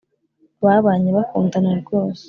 babanye bakundana rwose